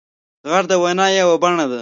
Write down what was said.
غږ د وینا یوه بڼه ده